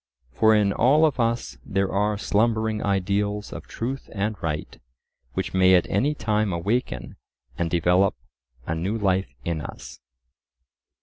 For in all of us there are slumbering ideals of truth and right, which may at any time awaken and develop a new life in us.